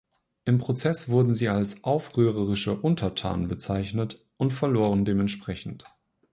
Im Prozess wurden sie als „aufrührerische Untertanen“ bezeichnet und verloren dementsprechend.